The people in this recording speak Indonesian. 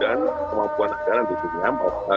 dan kemampuan agarantinya